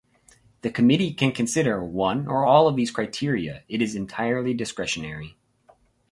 The Committee can consider one or all of these criteria, it is entirely discretionary.